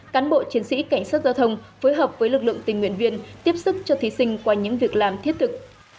cán bộ chiến sĩ cảnh sát giao thông phối hợp với lực lượng tình nguyện viên tiếp sức cho thí sinh qua những việc làm thiết thực